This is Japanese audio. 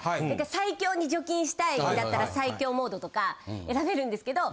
最強に除菌したいだったら最強モードとか選べるんですけど。